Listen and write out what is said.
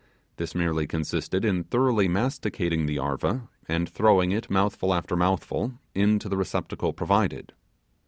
This merely consisted in thoroughly masticating the 'arva', and throwing it mouthful after mouthful into the receptacle provided.